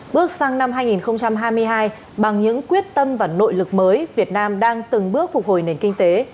bước sang năm hai nghìn hai mươi hai bằng những quyết tâm và nội lực mới việt nam đang từng bước phục hồi nền kinh tế